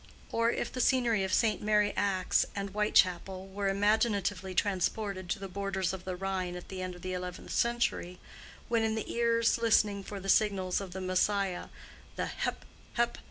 Or if the scenery of St. Mary Axe and Whitechapel were imaginatively transported to the borders of the Rhine at the end of the eleventh century, when in the ears listening for the signals of the Messiah, the Hep! Hep!